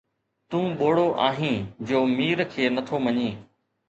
”تون ٻوڙو آهين جو مير کي نٿو مڃين